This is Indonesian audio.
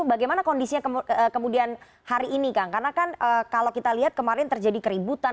bagaimana kondisinya kemudian hari ini kang karena kan kalau kita lihat kemarin terjadi keributan